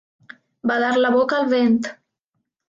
Badar la boca al vent.